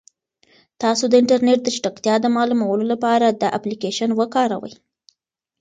تاسو د انټرنیټ د چټکتیا د معلومولو لپاره دا اپلیکیشن وکاروئ.